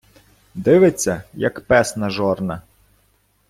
Дивиться, як пес на жорна.